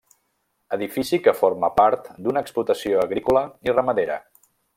Edifici que forma part d'una explotació agrícola i ramadera.